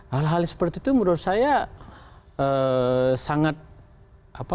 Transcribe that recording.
hal hal seperti itu menurut saya sangat mengganggu prosesnya